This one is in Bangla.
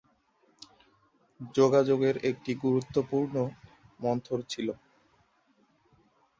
যোগাযোগের একটি গুরুত্বপূর্ণ মন্থর ছিল।